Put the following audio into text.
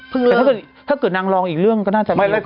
แต่ถ้าเกิดนางลองอีกเรื่องก็น่าจะไม่เลิก